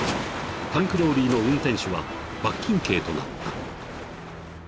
タンクローリーの運転手は罰金刑となった］